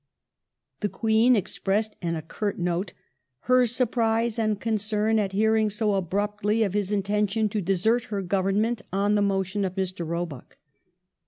The Queen expressed in a curt note " her surprise and concern at hearing so abruptly of his intention to desert her Government on the motion of Mr. Roebuck